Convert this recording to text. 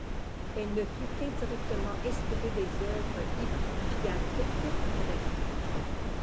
Elle ne fut qu’indirectement inspirée des œuvres hippiatriques grecques.